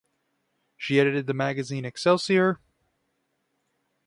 She edited the magazine "Excelsior".